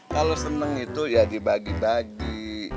kalau seneng itu ya dibagi bagi